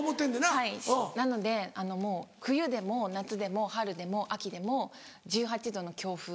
はいなのでもう冬でも夏でも春でも秋でも１８℃の強風。